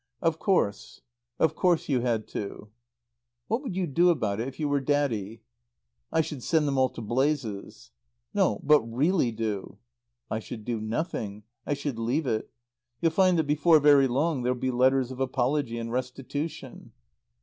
"Of course. Of course you had to." "What would you do about it if you were Daddy?" "I should send them all to blazes." "No, but really do?" "I should do nothing. I should leave it. You'll find that before very long there'll be letters of apology and restitution."